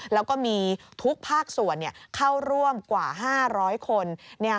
แล้วก็มีทุกภาคส่วนเข้าร่วมกว่า๕๐๐คน